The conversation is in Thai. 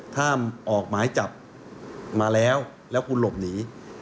ถ้าออกหมายจับมาแล้วแล้วคุณหลบหนี